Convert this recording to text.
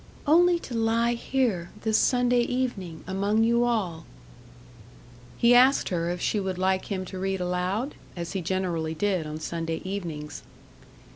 "Only to lie here, this Sunday evening, among you all." He asked her if she would like him to read aloud? as he generally did on Sunday evenings.